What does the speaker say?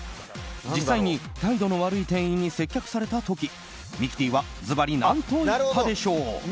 実際に態度の悪い店員に接客された時ミキティはずばり何と言ったでしょう？